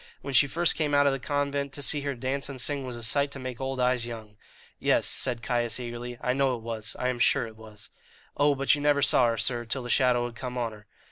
When she first came out of the convent, to see her dance and sing was a sight to make old eyes young." "Yes," said Caius eagerly, "I know it was I am sure it was." "Oh, but you never saw her, sir, till the shadow had come on her."